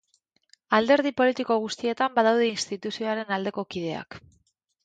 Alderdi politiko guztietan badaude instituzioaren aldeko kideak.